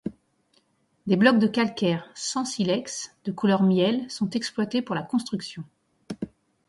Des blocs de calcaire, sans silex, de couleur miel sont exploités pour la construction.